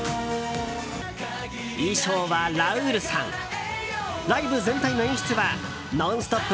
衣装はラウールさんライブ全体の演出は「ノンストップ！」